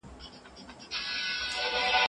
که مېوې په سمه توګه وچې شي نو خوند یې نه بدلیږي.